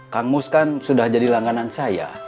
kang mus kan sudah jadi langganan saya